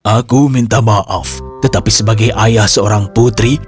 aku minta maaf tetapi sebagai ayah seorang putri